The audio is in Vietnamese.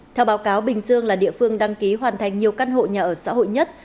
theo báo cáo bình dương là địa phương đăng ký hoàn thành nhiều căn hộ nhà ở xã hội nhất